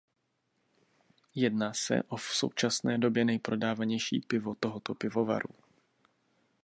Jedná se o v současné době nejprodávanější pivo tohoto pivovaru.